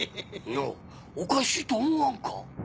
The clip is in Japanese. のうおかしいと思わんか？